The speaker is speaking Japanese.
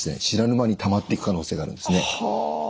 知らぬ間にたまっていく可能性があるんですね。